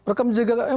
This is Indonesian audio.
rekam jejaknya mana